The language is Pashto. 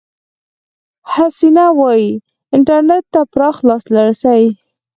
حسنه وايي، انټرنېټ ته پراخ لاسرسي